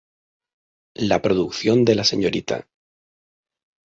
La producción de la srta.